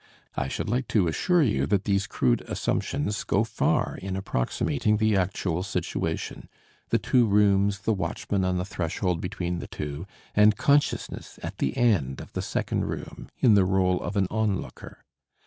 I should like to assure you that these crude assumptions go far in approximating the actual situation the two rooms, the watchman on the threshold between the two, and consciousness at the end of the second room in the role of an onlooker.